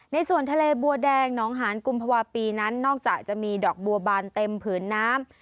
ในส่วนทะเลบัวแดงหนองหานกุมภาวะปีนั้นนอกจากจะมีดอกบัวบานเต็มผืนน้ำ